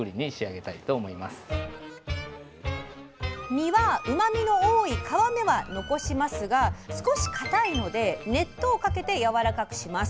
身はうまみの多い皮目は残しますが少しかたいので熱湯をかけてやわらかくします。